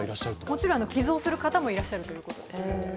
もちろん寄贈する方もいらっしゃるということですけど。